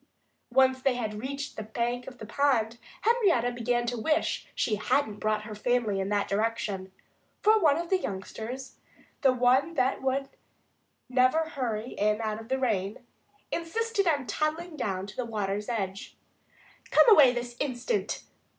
Once they had reached the bank of the pond Henrietta began to wish she hadn't brought her family in that direction. For one of the youngsters the one that never would hurry in out of the rain insisted on toddling down to the water's edge. "Come away this instant!"